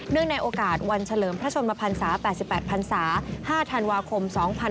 เนื่องในโอกาสวันเฉลิมพระชนมภัณษา๘๘ภัณษา๕ธันวาคม๒๕๕๘